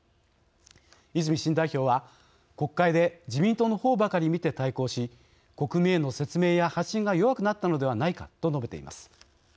泉新代表は、「国会で自民党の方ばかり見て対抗し国民への説明や発信が弱くなったのではないか」と述べています。